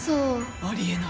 ありえない。